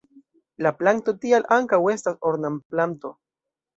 La planto tial ankaŭ estas ornamplanto.